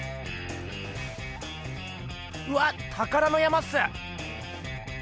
うわったからの山っす！